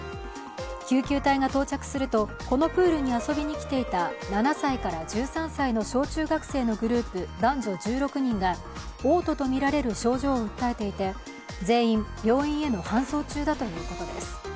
救急隊が到着すると、このプールに遊びに来ていた７歳から１３歳の小中学生のグループ男女１６人がおう吐とみられる症状を訴えていて、全員、病院への搬送中だということです。